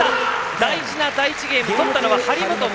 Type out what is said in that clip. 大事な第１ゲーム取ったのは張本、森薗。